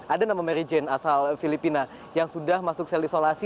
ada nama mary jane asal filipina yang sudah masuk sel isolasi